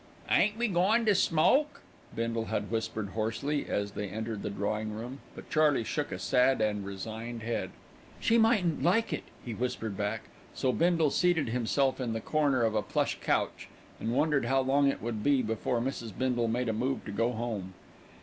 "Ain't we goin' to smoke?" Bindle had whispered hoarsely, as they entered the drawing room; but Charley shook a sad and resigned head. "She mightn't like it," he whispered back, so Bindle seated himself in the corner of a plush couch, and wondered how long it would be before Mrs. Bindle made a move to go home.